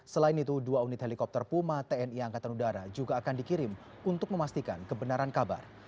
selain itu dua unit helikopter puma tni angkatan udara juga akan dikirim untuk memastikan kebenaran kabar